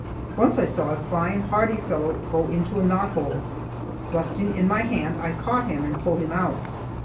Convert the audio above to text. Once I saw a fine hardy fellow go into a knot hole. Thrusting in my hand I caught him and pulled him out.